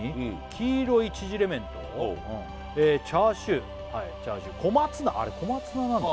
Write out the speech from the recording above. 「黄色い縮れ麺と」「チャーシュー」はいチャーシュー「小松菜」あれ小松菜なんだ